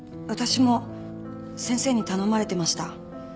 私も先生に頼まれてました。